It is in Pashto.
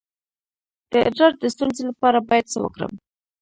د ادرار د ستونزې لپاره باید څه وکړم؟